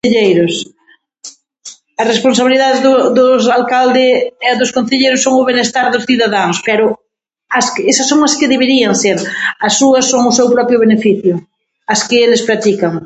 A responsabilidade do dos alcalde e dos concelleiros son o benestar dos cidadáns, pero as esas son as que deberían ser as súas son o seu propio beneficio, as que eles practican.